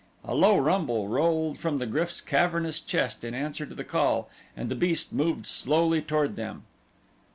A low rumble rolled from the GRYF's cavernous chest in answer to the call, and the beast moved slowly toward them.